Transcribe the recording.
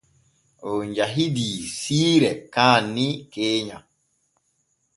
On jahidii siire kaanni keenya.